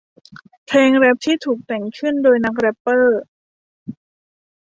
เพลงแร็ปที่ถูกแต่งขึ้นโดยนักแร็ปเปอร์